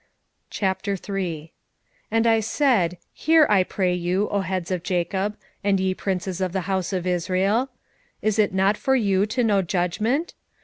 3:1 And I said, Hear, I pray you, O heads of Jacob, and ye princes of the house of Israel; Is it not for you to know judgment?